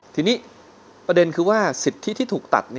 ทีนี้ประเด็นคือว่าสิทธิที่ถูกตัด